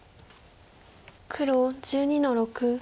黒１２の六。